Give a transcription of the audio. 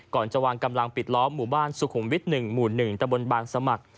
ก่อนจะวางกำลังปิดล้อมหมู่บ้านสุขุมวิทย์๑หมู่๑ตะบนบางสมัคร